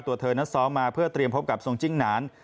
ตัวเธอนั้นซ้อมมาเพื่อเตรียมพบกับทรงจิ้งหนาน